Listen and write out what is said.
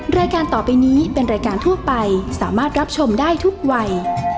รายการต่อไปนี้เป็นรายการทั่วไปสามารถรับชมได้ทุกวัย